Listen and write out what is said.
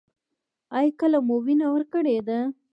ایا کله مو وینه ورکړې ده؟